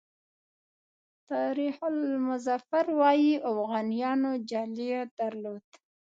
تاریخ آل مظفر وایي اوغانیانو جالغ درلود.